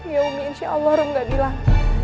ya umi insya allah orang gak bilang